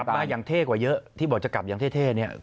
กลับมาอย่างเท่กว่าเยอะที่บอกจะกลับอย่างเท่